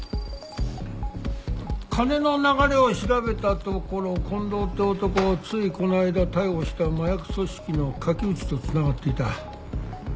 金の流れを調べたところ近藤って男ついこの間逮捕した麻薬組織の垣内とつながっていた。